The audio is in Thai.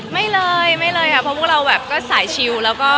ไม่เลยไม่เลยค่ะเพราะพวกเราแบบก็สายชิลแล้วก็